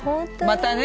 またね。